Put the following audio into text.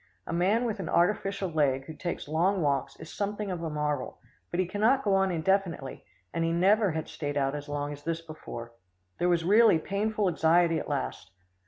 A man with an artificial leg who takes long walks is something of a marvel, but he cannot go on indefinitely, and he never had stayed out as long as this before. There was really painful anxiety at last.